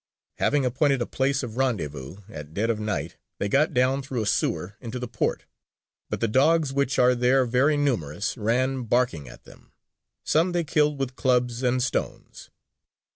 Having appointed a place of rendezvous, at dead of night they got down through a sewer into the port: but the dogs, which are there very numerous, ran barking at them; some they killed with clubs and stones.